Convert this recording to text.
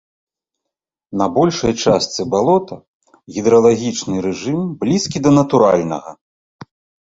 На большай частцы балота гідралагічны рэжым блізкі да натуральнага.